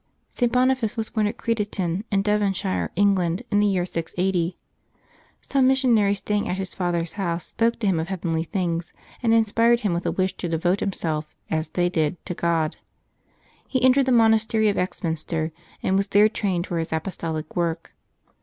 [t. Boniface was born at Crediton in Devonshire, England, in the year 680. Some missionaries stay ing at his father's house spoke to him of heavenly things, and inspired him with a wish to devote himself, as they did, to God. He entered the monastery of Exminster, and was there trained for his apostolic work.